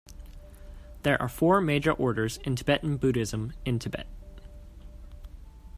There are four major orders in Tibetan Buddhism in Tibet.